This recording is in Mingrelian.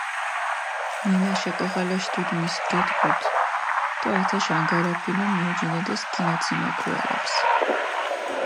ნინაშ ეკოღალაშ დუდი მის გედგუდჷ დო ათაშ ანგარაფილო მიოჯინედეს გინაციმა ქუალეფს.